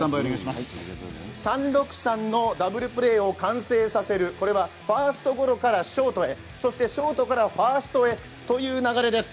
３−６−３のダブルプレーを完成させる、これはファーストゴロからショートへそして、ショートからファーストへという流れです。